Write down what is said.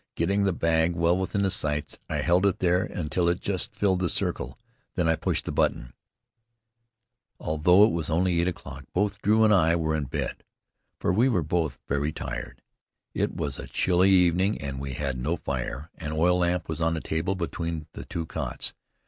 Getting the bag well within the sights, I held it there until it just filled the circle. Then I pushed the button. Although it was only eight o'clock, both Drew and I were in bed; for we were both very tired, it was a chilly evening, and we had no fire. An oil lamp was on the table between the two cots.